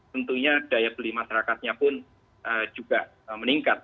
tentunya daya beli masyarakatnya pun juga meningkat